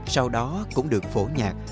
sau đó cũng được phổ nhạc